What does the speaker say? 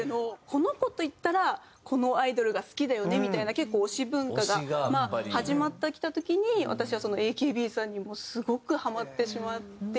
この子といったらこのアイドルが好きだよねみたいな結構推し文化が始まってきた時に私はＡＫＢさんにもうすごくハマってしまって。